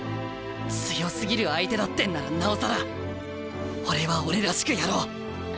強すぎる相手だってんならなおさら俺は俺らしくやろう。